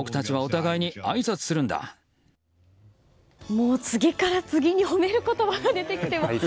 もう次から次に褒める言葉が出てきて。